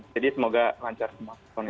jadi semoga lancar semua